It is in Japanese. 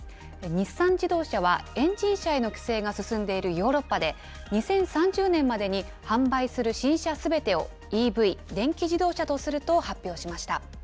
日産自動車はエンジン車への規制が進んでいるヨーロッパで、２０３０年までに販売する新車すべてをＥＶ・電気自動車とすると発表しました。